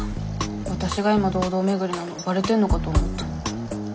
わたしが今堂々巡りなのバレてんのかと思った。